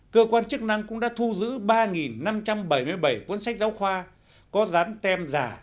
cơ quan chức năng cũng đã thu giữ ba năm trăm bảy mươi bảy cuốn sách giáo khoa có dán tem giả